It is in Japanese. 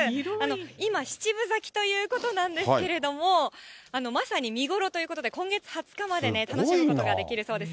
今、７分咲きということなんですけれども、まさに見頃ということで、今月２０日まで楽しむことができるそうです。